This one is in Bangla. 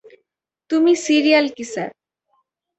তুমি সিরিয়াল কিসার।